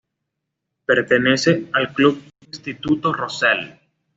Pertenece al club Instituto Rosell.